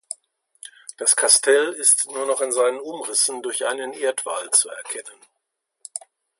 Das Kastell ist nur noch in seinen Umrissen durch einen Erdwall zu erkennen.